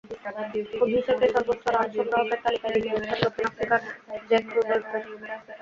অভিষেকে সর্বোচ্চ রান সংগ্রাহকের তালিকায় দ্বিতীয় স্থান দক্ষিণ আফ্রিকান জ্যাক রুডলফের।